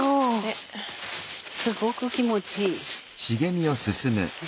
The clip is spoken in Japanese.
すごく気持ちいい。